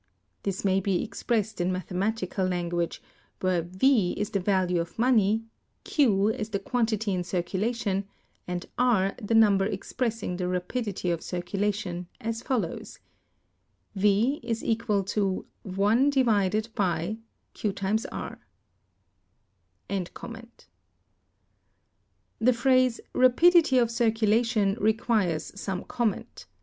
This may be expressed in mathematical language, where V is the value of money, Q is the quantity in circulation, and R the number expressing the rapidity of circulation, as follows: V = 1 / (Q × R). The phrase, rapidity of circulation, requires some comment.